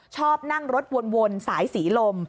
ชอบนั่งรถวนสายสีลม